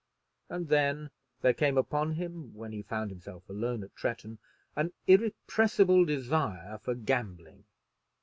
And then there came upon him, when he found himself alone at Tretton, an irrepressible desire for gambling.